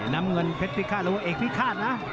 น้ำเงินเผ็ดพิฆาตแล้วว่าเอกพิฆาตนะ